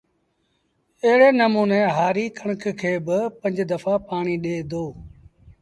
ايڙي نموٚني هآري ڪڻڪ کي با پنج دڦآ پآڻيٚ ڏي دو